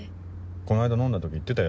この間飲んだ時言ってたよ